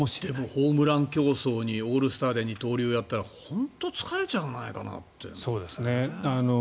ホームラン競争にオールスターで二刀流やったら本当に疲れちゃうんじゃないかなって。